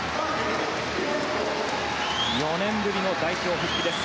４年ぶりの代表復帰です。